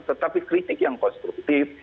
tetapi kritik yang konstruktif